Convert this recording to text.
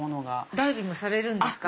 ダイビングされるんですか？